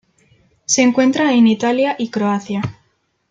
Se encuentra en Italia y Croacia.